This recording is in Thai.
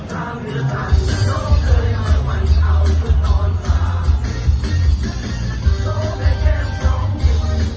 ถ้าคุณนอนฝันฉันก็อย่าตาวออกชอบหลับหลอดตอนฉันเผาออกมาใหม่